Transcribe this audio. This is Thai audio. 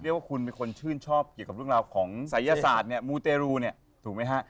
เรียกว่าคุณเป็นคนชื่นชอบเกี่ยวกับเรื่องราวของศัยศาสตร์มูเตรูถูกไหมฮะ